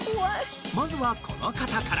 まずはこの方から。